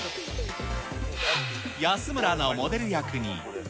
安村アナをモデル役に。